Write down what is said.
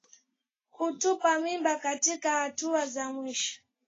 Kutupa mimba katika hatua za mwisho